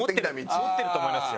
通ってると思いますよ。